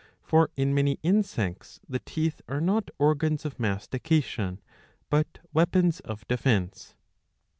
For in many insects the teeth are not organs of mastication, but weapons of defence.